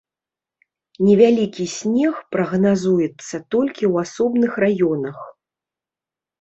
Невялікі снег прагназуецца толькі ў асобных раёнах.